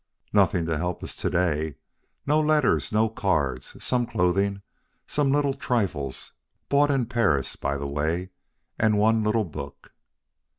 "Nothing to help us to day. No letters no cards. Some clothing some little trifles (bought in Paris, by the way) and one little book."